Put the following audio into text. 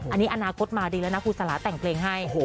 อันนี้อนาคตมาดีแล้วนะครูสลาแต่งเพลงให้